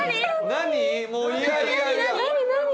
何？